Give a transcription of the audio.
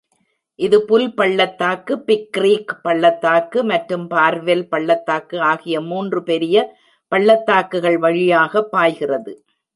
இது புல் பள்ளத்தாக்கு, Big Creek பள்ளத்தாக்கு மற்றும் பார்வெல் பள்ளத்தாக்கு ஆகிய மூன்று பெரிய பள்ளத்தாக்குகள் வழியாகப் பாய்கிறது.